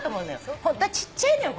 ホントはちっちゃいのよ